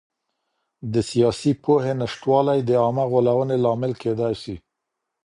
د سياسي پوهي نشتوالی د عامه غولونې لامل کېدای سي.